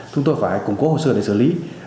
chúng tôi phải củng cố hồ sơ để xử lý